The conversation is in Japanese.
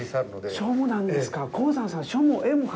そうなんです。